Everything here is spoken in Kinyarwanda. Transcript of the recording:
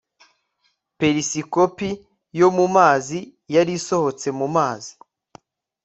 perisikopi yo mu mazi yari isohotse mu mazi